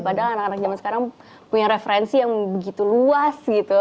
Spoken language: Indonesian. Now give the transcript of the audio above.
padahal anak anak zaman sekarang punya referensi yang begitu luas gitu